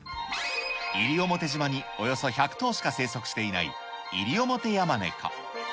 西表島におよそ１００頭しか生息していないイリオモテヤマネコ。